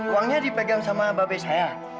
uangnya dipegang sama babe saya